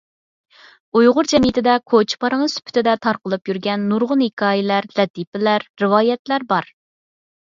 ئۇيغۇر جەمئىيىتىدە كوچا پارىڭى سۈپىتىدە تارقىلىپ يۈرگەن نۇرغۇن ھېكايىلەر، لەتىپىلەر، رىۋايەتلەر بار.